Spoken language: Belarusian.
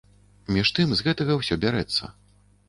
Між тым, з гэтага ўсё бярэцца.